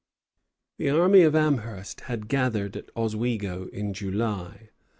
The army of Amherst had gathered at Oswego in July.